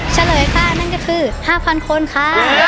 เฉลยค่ะนั่นก็คือ๕๐๐คนค่ะ